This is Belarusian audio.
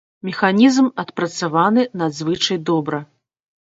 Механізм адпрацаваны надзвычай добра.